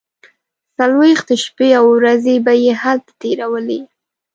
څلوېښت شپې او ورځې به یې هلته تیرولې.